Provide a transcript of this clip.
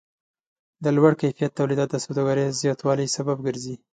د لوړ کیفیت تولیدات د سوداګرۍ زیاتوالی سبب ګرځي.